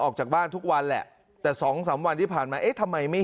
ออกจากบ้านทุกวันแหละแต่สองสามวันที่ผ่านมาเอ๊ะทำไมไม่